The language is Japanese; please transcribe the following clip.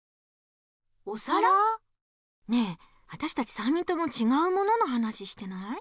ねえわたしたち３人ともちがうものの話してない？